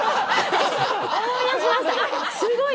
思い出しました。